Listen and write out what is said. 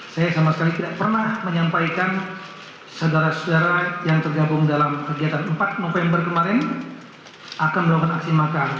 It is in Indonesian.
saya sama sekali tidak pernah menyampaikan saudara saudara yang tergabung dalam kegiatan empat november kemarin akan melakukan aksi makar